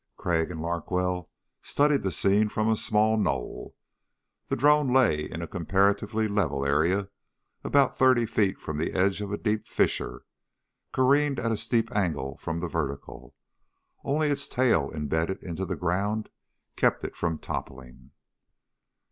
Crag and Larkwell studied the scene from a small knoll. The drone lay in a comparatively level area about thirty feet from the edge of a deep fissure, careened at a steep angle from the vertical. Only its tail imbedded into the ground kept it from toppling.